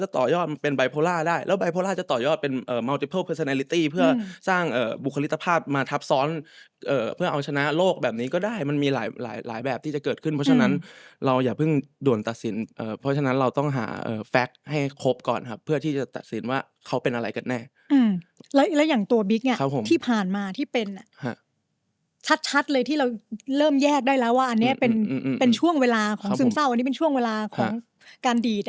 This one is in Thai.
ที่ผ่านมาที่เป็นชัดเลยที่เราเริ่มแยกได้แล้วว่าอันนี้เป็นช่วงเวลาของซึมเศร้าอันนี้เป็นช่วงเวลาของการดีต